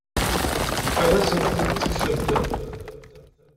Ad asent-ten-tekksemt?